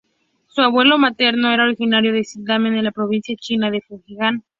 Su abuelo materno era originario de Xiamen en la provincia china de Fujian.